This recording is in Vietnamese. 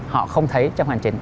họ không thấy trong hoàn trình